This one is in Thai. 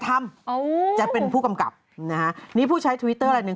ทำอยู่จะเป็นผู้กำกับนะฮะนี้ผู้ใช้ละอันนึง